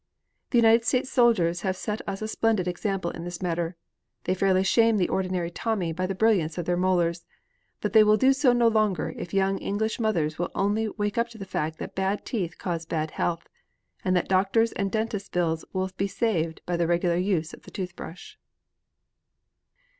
"The United States soldiers have set us a splendid example in this matter. They fairly shame the ordinary 'Tommy' by the brilliance of their molars, but they will do so no longer if young English mothers will only wake up to the fact that bad teeth cause bad health, and that doctors' and dentists' bills will be saved by the regular use of the tooth brush."